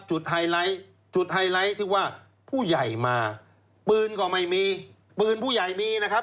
ไฮไลท์จุดไฮไลท์ที่ว่าผู้ใหญ่มาปืนก็ไม่มีปืนผู้ใหญ่มีนะครับ